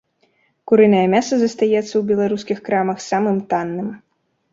Курынае мяса застаецца ў беларускіх крамах самым танным.